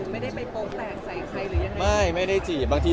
ไม่ได้ไปโปร์มแสงใส่ใครหรือยังไง